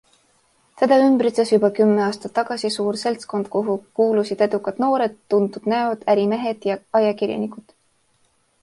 Teda ümbritses juba kümme aastat tagasi suur seltskond, kuhu kuulusid edukad noored, tuntud näod, ärimehed ja ajakirjanikud.